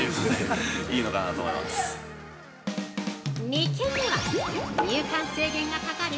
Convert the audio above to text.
◆２軒目は、入館制限がかかる！？